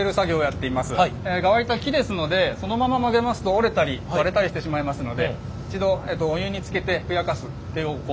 側板は木ですのでそのまま曲げますと折れたり割れたりしてしまいますので一度お湯につけてふやかすっていう工程があります。